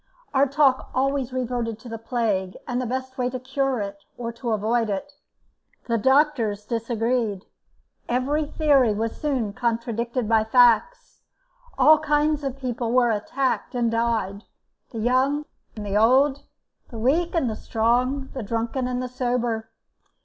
Our talk always reverted to the plague, and the best way to cure it or to avoid it. The doctors disagreed. Every theory was soon contradicted by facts; all kinds of people were attacked and died; the young and the old, the weak and the strong, the drunken and the sober.